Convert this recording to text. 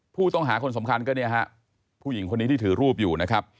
ผู้ต้องหาคนสำคัญก็เนี่ยฮะผู้หญิงคนนี้ที่ถือรูปอยู่นะครับ